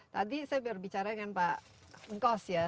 tadi saya biar bicara dengan pak ngkos ya